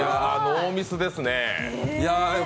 ノーミスですね。